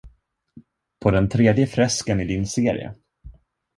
På den tredje fresken i din serie.